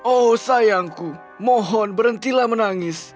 oh sayangku mohon berhentilah menangis